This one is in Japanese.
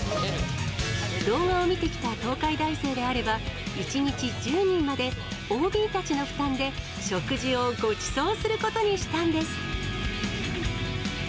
動画を見てきた東海大生であれば、１日１０人まで、ＯＢたちの負担で、食事をごちそうすることにしたんです。